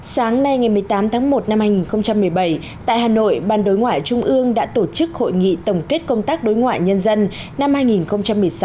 sáng nay ngày một mươi tám tháng một năm hai nghìn một mươi bảy tại hà nội ban đối ngoại trung ương đã tổ chức hội nghị tổng kết công tác đối ngoại nhân dân năm hai nghìn một mươi sáu